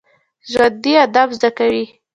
ژوندي ادب زده کوي